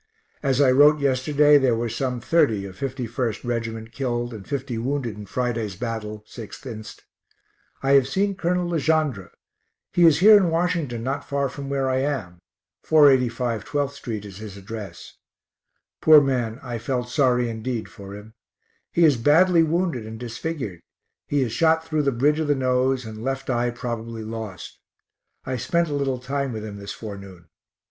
As I wrote yesterday, there were some 30 of 51st reg't killed and 50 wounded in Friday's battle, 6th inst. I have seen Col. Le Gendre. He is here in Washington not far from where I am, 485 12th st. is his address. Poor man, I felt sorry indeed for him. He is badly wounded and disfigured. He is shot through the bridge of the nose, and left eye probably lost. I spent a little time with him this forenoon.